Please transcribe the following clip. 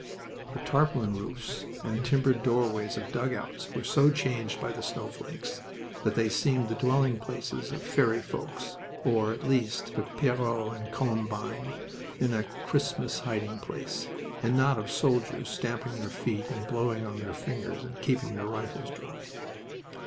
The tarpaulin roofs and timbered doorways of dugouts were so changed by the snowflakes that they seemed the dwelling places of fairy folks or, at least, of Pierrot and Columbine in a Christmas hiding place, and not of soldiers stamping their feet and blowing on their fingers and keeping their rifles dry.